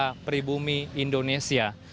usaha peribumi indonesia